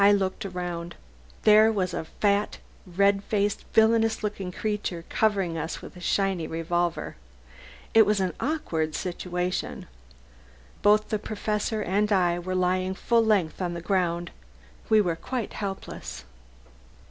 I looked round. There was a fat, red faced villainous looking creature covering us with a shiny revolver. It was an awkward situation. Both the Professor and I were lying full length on the ground. We were quite helpless.